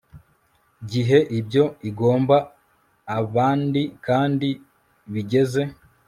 gihe ibyo igomba abandi kandi bigeze